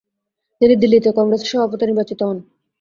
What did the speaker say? তিনি দিল্লিতে কংগ্রেসের সভাপতি নির্বাচিত হন।